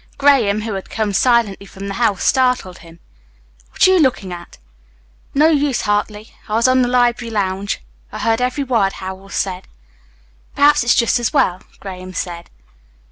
Graham, who had come silently from the house, startled him. "What are you looking at?" "No use, Hartley. I was on the library lounge. I heard every word Howells said." "Perhaps it's just as well," Graham said.